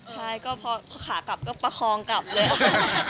ใช่ก็พอขากลับก็ประคองกลับเลยค่ะ